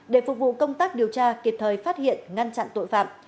để phục vụ công tác điều tra kịp thời phát hiện ngăn chặn tội phạm